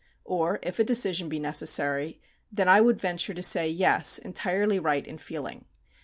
or, if a decision be necessary, then I would venture to say, yes, entirely right in feeling.